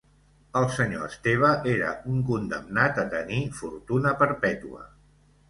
El senyor Esteve era un condemnat a tenir fortuna perpetua.